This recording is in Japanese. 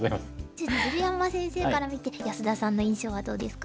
じゃあ鶴山先生から見て安田さんの印象はどうですか？